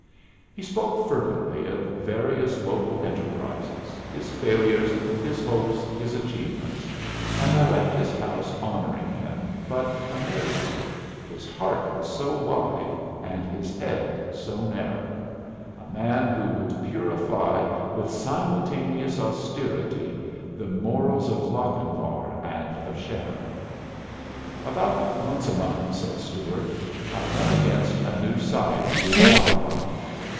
He spoke fervently of various local enterprises, his failures, his hopes, his achievements; and I left his house honoring him, but amazed his heart was so wide and his head so narrow; a man who would purify with simultaneous austerity the morals of Lochinvar and of Sharon. "About once a month," said Stuart, "I run against a new side he is blind on.